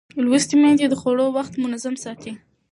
لوستې میندې د خوړو وخت منظم ساتي.